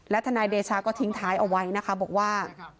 ทนายเดชาก็ทิ้งท้ายเอาไว้นะคะบอกว่า